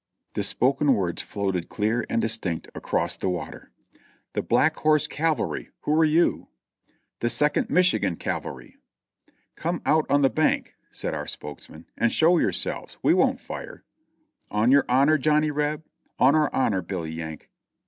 The spoken words floated clear and distinct across the water, "The Black Horse Cavalry. Who are you ?" "The Second Michigan Cavalry." "Come out on the bank," said our spokesman, "and show your selves ; we won't fire." "On your honor, Johnny Reb?" "On our honor, Billy Yank."